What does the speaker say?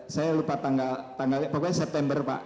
saya lupa tanggalnya pokoknya september pak